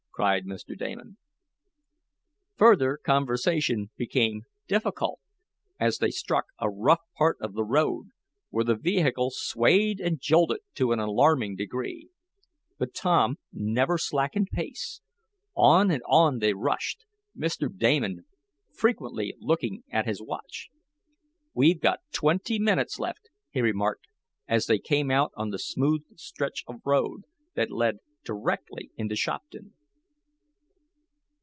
cried Mr. Damon. Further conversation became difficult, as they struck a rough part of the road, where the vehicle swayed and jolted to an alarming degree. But Tom never slackened pace. On and on they rushed, Mr. Damon frequently looking at his watch. "We've got twenty minutes left," he remarked as they came out on the smooth stretch of road, that led directly into Shopton.